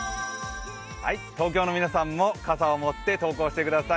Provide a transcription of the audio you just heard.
東京の皆さんも傘を持って登校してください。